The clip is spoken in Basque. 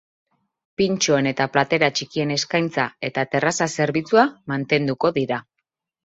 Halaber, pintxoen eta platera txikien eskaintza eta terraza zerbitzua mantenduko dira.